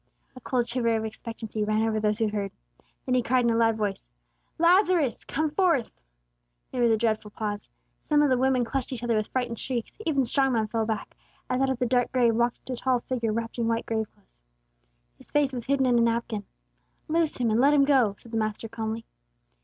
A cold shiver of expectancy ran over those who heard. Then He cried, in a loud voice, "Lazarus, come forth!" There was a dreadful pause. Some of the women clutched each other with frightened shrieks; even strong men fell back, as out of the dark grave walked a tall figure wrapped in white grave clothes. His face was hidden in a napkin. "Loose him, and let him go," said the Master, calmly.